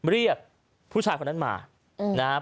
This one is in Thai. เรียกผู้ชายคนนั้นมานะครับ